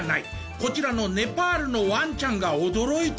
こちらのネパールのワンちゃんが驚いたのは？